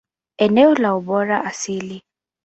Eneo la ubora asili.